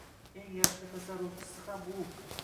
eng yaxshi tasarrufchisi ham u.